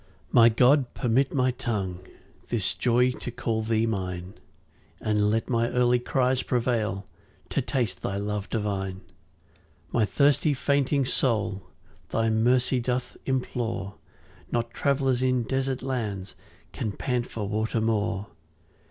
1 My God, permit my tongue This joy, to call thee mine, And let my early cries prevail To taste thy love divine. 2 My thirsty fainting soul Thy mercy doth implore; Not travellers in desert lands Can pant for water more.